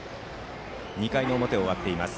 ２回の表が終わっています。